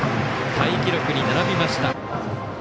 タイ記録に並びました。